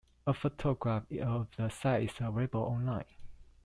A photograph of the site is available online.